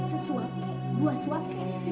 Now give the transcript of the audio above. udah berangkas gue kasih makan